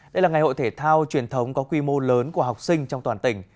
đây là ngày hội thể thao truyền thống có quy mô lớn của học sinh trong toàn tỉnh